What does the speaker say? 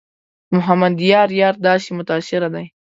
محمد یار یار داسې متاثره دی.